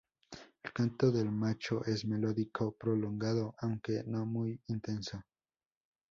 El canto del macho es melódico, prolongado, aunque no muy intenso.